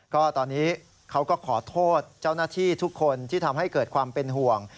ก็ตอนนี้เขาก็ขอโทษเจ้าหน้าที่ทุกคนที่ทำให้เกิดความเป็นห่วง